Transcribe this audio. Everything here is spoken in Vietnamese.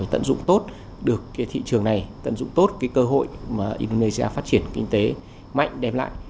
tận dụng tốt được thị trường này tận dụng tốt cơ hội mà indonesia phát triển kinh tế mạnh đem lại